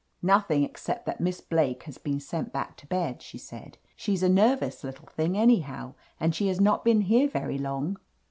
"Nothing, except that Miss Blake has been sent back to bed," she said. "She's a nervous little thing anyhow, and she has not been here very long.